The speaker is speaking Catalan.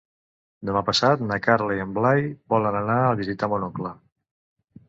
Demà passat na Carla i en Blai volen anar a visitar mon oncle.